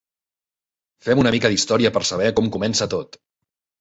Fem una mica d'història per saber com comença tot.